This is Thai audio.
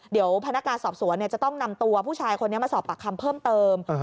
เดี๋ยวพนักการสอบสวนจะต้องนำตัวผู้ชายคนนี้มาสอบปากคำเพิ่มเติม